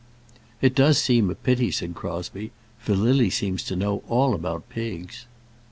"It does seem a pity," said Crosbie, "for Lily seems to know all about pigs."